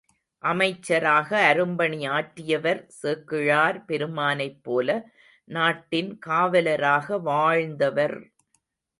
அமைச்சராக அரும்பணி ஆற்றியவர் சேக்கிழார் பெருமானைப் போல நாட்டின் காவலராக வாழ்ந்தவர்!